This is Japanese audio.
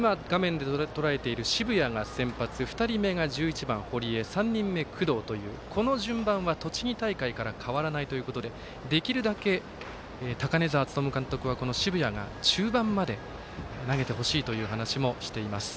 澁谷が先発２人目が１１番、堀江３人目、工藤というこの順番は栃木大会から変わらないということでできるだけ高根澤監督は澁谷が中盤まで投げてほしいという話もしています。